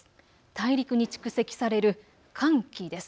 大陸に蓄積される寒気です。